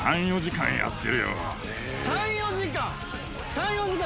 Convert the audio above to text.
３４時間！